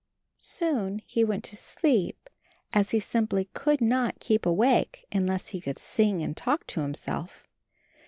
Soon he went to sleep, as he simply could not keep awake unless he could sing and talk to himself.